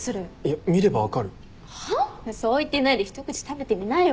そう言ってないで一口食べてみなよ。